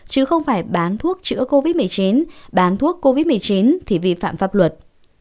chứ không phải bán thuốc chữa covid một mươi chín bán thuốc covid một mươi chín thì vi phạm pháp luật